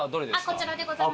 こちらでございます。